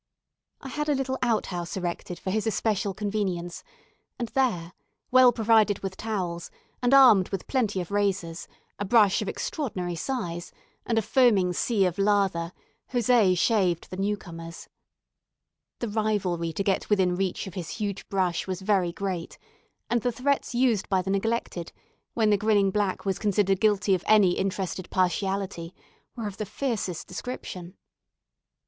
I had a little out house erected for his especial convenience; and there, well provided with towels, and armed with plenty of razors, a brush of extraordinary size, and a foaming sea of lather, José shaved the new comers. The rivalry to get within reach of his huge brush was very great; and the threats used by the neglected, when the grinning black was considered guilty of any interested partiality, were of the fiercest description.